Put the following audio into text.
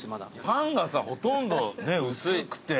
パンがさほとんどねっ薄くて。